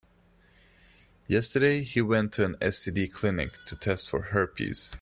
Yesterday, he went to an STD clinic to test for herpes.